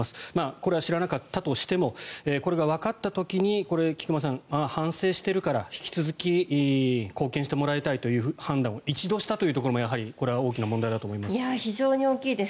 これは知らなかったとしてもこれがわかった時に菊間さん、反省しているから引き続き貢献してもらいたいという判断を１度したというのも大きな問題だと思います。